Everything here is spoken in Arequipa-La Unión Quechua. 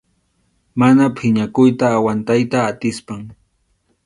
Mana phiñakuyta aguantayta atispam.